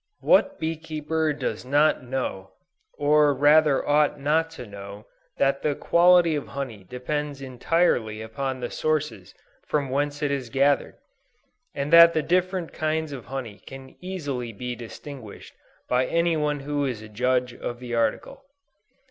What bee keeper does not know, or rather ought not to know that the quality of honey depends entirely upon the sources from whence it is gathered; and that the different kinds of honey can easily be distinguished by any one who is a judge of the article.